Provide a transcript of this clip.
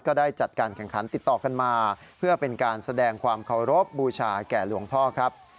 ได้จัดการแข่งขันติดต่อกันมาเพื่อเป็นการแสดงความเคารพบูชาแก่หลวงพ่อครับ